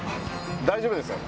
大丈夫です。